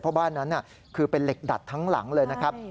เพราะบ้านนั้นคือเป็นเหล็กดัดทั้งหลังเลยนะครับ